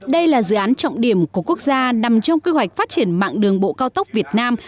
đây là dự án trọng điểm của quốc gia nằm trong quy hoạch phát triển mạng đường bộ cao tốc việt nam